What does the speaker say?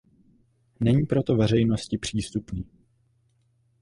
Není proto veřejnosti přístupný.